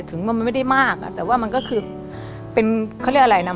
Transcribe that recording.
ถึงมันไม่ได้มากอ่ะแต่ว่ามันก็คือเป็นเขาเรียกอะไรนะ